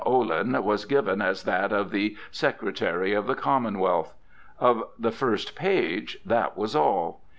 Olin" was given as that of the "Secretary of the Commonwealth." Of the first page that was all.